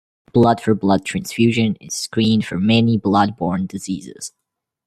Blood for blood transfusion is screened for many blood-borne diseases.